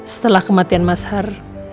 setelah kematian mas har